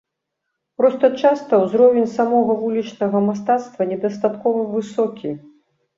Проста часта ўзровень самога вулічнага мастацтва недастаткова высокі.